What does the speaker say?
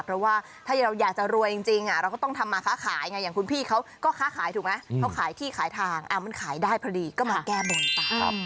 เพราะว่าถ้าเราอยากจะรวยจริงเราก็ต้องทำมาค้าขายไงอย่างคุณพี่เขาก็ค้าขายถูกไหมเขาขายที่ขายทางมันขายได้พอดีก็มาแก้บนตาม